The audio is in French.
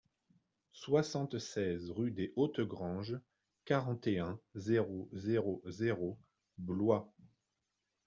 soixante-seize rue des Hautes Granges, quarante et un, zéro zéro zéro, Blois